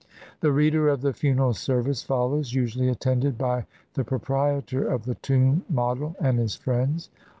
The reader of the funeral service follows, usually attended by the proprietor of the tomb model and his friends.